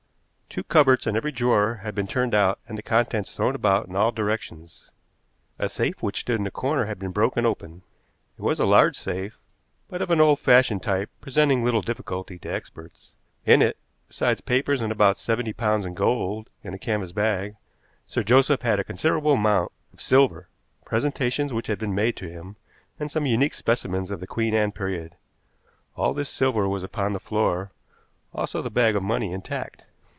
Two cupboards and every drawer had been turned out and the contents thrown about in all directions. A safe which stood in a corner had been broken open. It was a large safe, but of an old fashioned type, presenting little difficulty to experts. In it, besides papers and about seventy pounds in gold in a canvas bag, Sir Joseph had a considerable amount of silver, presentations which had been made to him, and some unique specimens of the Queen Anne period. All this silver was upon the floor, also the bag of money intact.